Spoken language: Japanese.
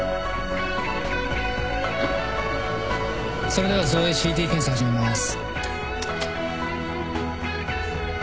それでは造影ＣＴ検査始めます。